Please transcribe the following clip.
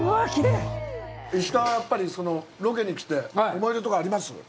石川は、やっぱりロケに来て思い出とかあります？